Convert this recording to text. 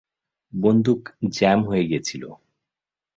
বন্দুক জ্যাম হয়ে গেছিল।